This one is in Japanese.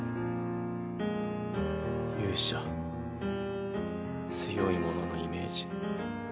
勇者強い者のイメージ。